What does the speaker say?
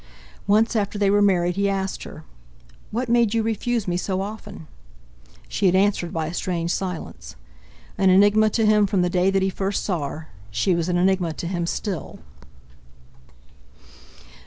Once after they were married he asked her, "What made you refuse me so often?" She had answered by a strange silence. An enigma to him from the day that he first saw her, she was an enigma to him still....